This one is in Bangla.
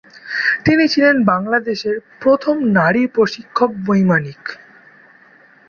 তিনি ছিলেন বাংলাদেশের প্রথম নারী প্রশিক্ষক বৈমানিক।